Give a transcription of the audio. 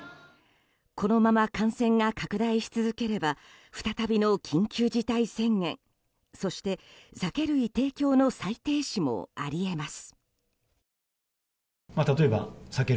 このまま感染が拡大し続ければ再びの緊急事態宣言そして、酒類提供の再停止もあり得ます。